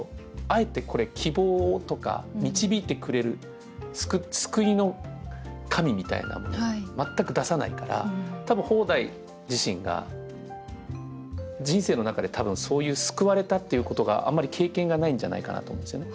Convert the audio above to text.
あえてこれ希望とか導いてくれる「救いの神」みたいなもの全く出さないから多分方代自身が人生の中で多分そういう救われたっていうことがあんまり経験がないんじゃないかなと思うんですよね。